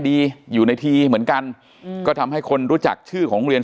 อยู่ในทีเหมือนกันอืมก็ทำให้คนรู้จักชื่อของโรงเรียน